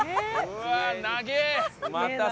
うわっ長え！